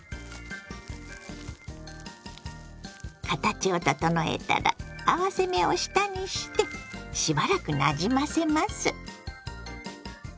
形を整えたら合わせ目を下にしてしばらくなじませます。